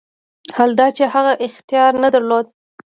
حال دا چې هغه اختیار نه درلود.